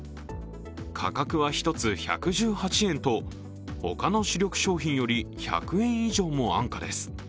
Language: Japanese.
価格は１つ１１８円と他の主力商品より１００円以上も安価です。